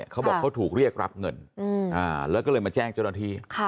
เขาบอกเขาถูกเรียกรับเงินแล้วก็เลยมาแจ้งเจ้าหน้าที่